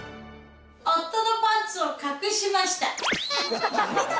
夫のパンツを隠しました。